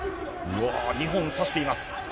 ２本差しています。